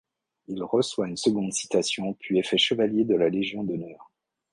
Il reçoit une seconde citation, puis est fait chevalier de la Légion d’honneur.